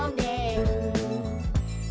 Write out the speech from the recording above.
うん！